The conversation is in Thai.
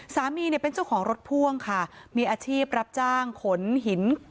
สามีเนี่ยเป็นเจ้าของรถพ่วงค่ะมีอาชีพรับจ้างขนหิน